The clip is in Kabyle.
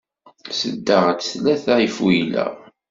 Sseddaɣ-d tlata ifuyla.